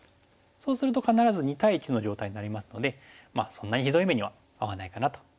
そうすると必ず２対１の状態になりますのでそんなにひどい目には遭わないかなと思いますね。